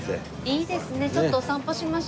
いいですね。